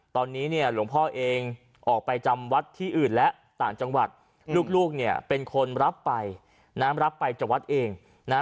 ตอนนี้เนี่ยหลวงพ่อเองออกไปจำวัดที่อื่นและต่างจังหวัดลูกเนี่ยเป็นคนรับไปนะรับไปจากวัดเองนะฮะ